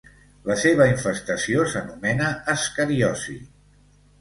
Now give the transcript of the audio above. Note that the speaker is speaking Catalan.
La seva infestació s'anomena ascariosi.